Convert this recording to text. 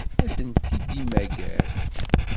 Ad tent-id-yemmager?